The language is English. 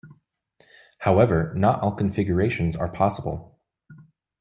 However, not all configurations are possible.